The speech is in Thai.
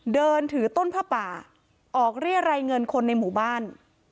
เดินถือต้นผ้าป่าออกเรียรัยเงินคนในหมู่บ้าน